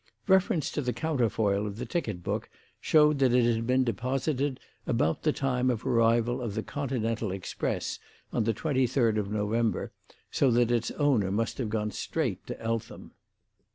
Reference to the counterfoil of the ticket book showed that it had been deposited about the time of arrival of the Continental express on the twenty third of November, so that its owner must have gone straight on to Eltham.